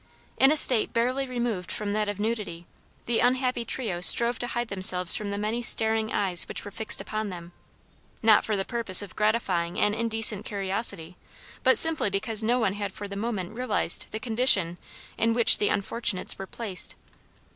In a state barely removed from that of nudity, the unhappy trio strove to hide themselves from the many staring eyes which were fixed upon them, not for the purpose of gratifying an indecent curiosity, but simply because no one had for the moment realized the condition in which the unfortunates were placed.